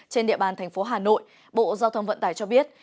trên địa bàn thành phố hà nội bộ giao thông vận tải cho biết